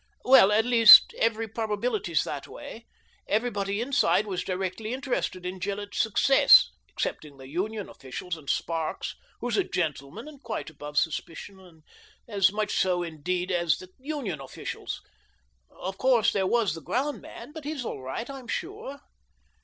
" Well, at least every probability's that way. Everybody inside was directly interested in Gil lett's success, excepting the Union officials and Sparks, who's a gentleman and quite above sus picion, as much so, indeed, as the Union officials. Of course there was the ground man, but he's all right, I'm sure."